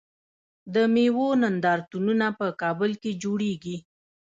د میوو نندارتونونه په کابل کې جوړیږي.